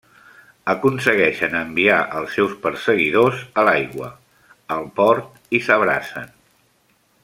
Aconsegueixen enviar els seus perseguidors a l'aigua, al port i s'abracen.